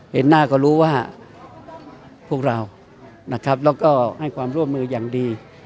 เห็นหน้าก็รู้ว่าพวกเรานะครับแล้วก็ให้ความร่วมมืออย่างดี